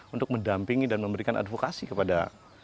untuk mendampingi dan memberikan advokasi kepada